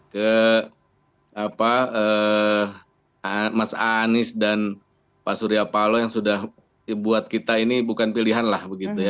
ke mas anies dan pak surya palo yang sudah dibuat kita ini bukan pilihan lah